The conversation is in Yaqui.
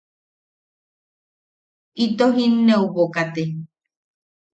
Ito jinneʼubo kate.